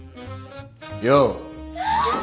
よう。